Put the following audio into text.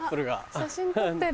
写真撮ってる。